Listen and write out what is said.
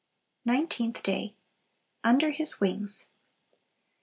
Nineteenth Day. Under His Wings.